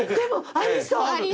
ありそう！